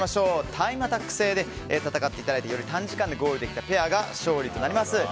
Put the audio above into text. タイムアタック制で戦っていただいてより短時間でゴールできたペアが勝利となります。